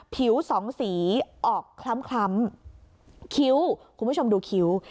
ผิวสองสีออกคล้ำคิ้วคุณผู้ชมดูคิ้ว